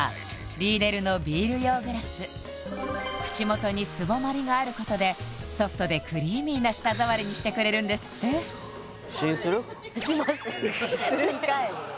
リーデルのビール用グラス口元にすぼまりがあることでソフトでクリーミーな舌触りにしてくれるんですってするんかい！